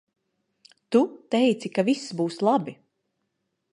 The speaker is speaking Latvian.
Tu teici ka viss būs labi.